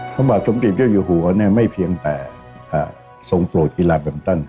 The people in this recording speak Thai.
พระบาทสมเด็จเจ้าอยู่หัวไม่เพียงแต่ทรงโปรดกีฬาแบมตัน